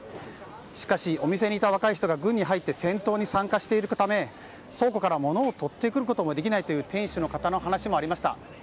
しかしお店にいた若い人が軍に入って戦闘に参加しているため倉庫から物をとってくることもできないという店主の方の話もありました。